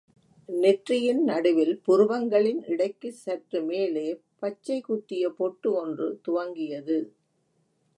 நெற்றியின் நடுவில் புருவங்களின் இடைக்குச் சற்று மேலே பச்சை குத்திய பொட்டு ஒன்று துவங்கியது.